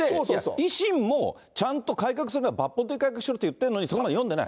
維新もちゃんと改革するなら抜本的改革しろって言ってるのに、うん、読んでない。